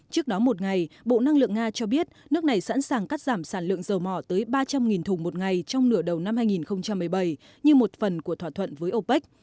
trước đó một ngày bộ năng lượng nga cho biết nước này sẵn sàng cắt giảm sản lượng dầu mỏ tới ba trăm linh thùng một ngày trong nửa đầu năm hai nghìn một mươi bảy như một phần của thỏa thuận với opec